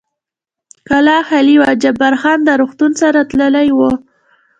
کلا خالي وه، جبار خان د روغتون سره تللی و.